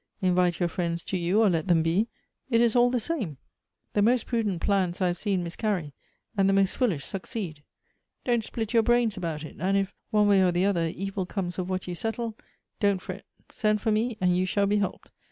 Invite your friends to you, or let them be, it is all the same. The most prudent plans I have seen Elective Affinities. 19 miscarry, and the most foolish succeed. Don't split your brains about it ; and if, one way or the other, evil comes of what you settle, don't fret ; send for me, and you shall be helped.